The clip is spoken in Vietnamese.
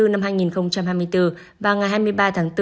năm hai nghìn hai mươi bốn và ngày hai mươi ba tháng bốn